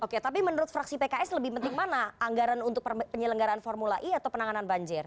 oke tapi menurut fraksi pks lebih penting mana anggaran untuk penyelenggaraan formula e atau penanganan banjir